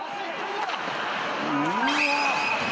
うわ！